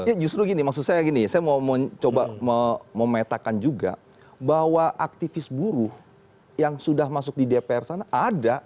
ya justru gini maksud saya gini saya mau mencoba memetakan juga bahwa aktivis buruh yang sudah masuk di dpr sana ada